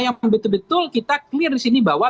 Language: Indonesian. yang betul betul kita clear di sini bahwa